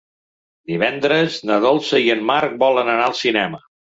Divendres na Dolça i en Marc volen anar al cinema.